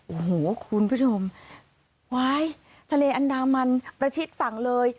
โอ้โหคุณผู้ชมว้ายทะเลอันดามันประชิดฝั่งเลย